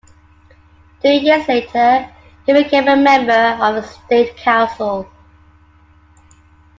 Two years later he became a member of the State Council.